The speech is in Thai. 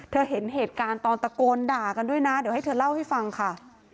เห็นเหตุการณ์ตอนตะโกนด่ากันด้วยนะเดี๋ยวให้เธอเล่าให้ฟังค่ะ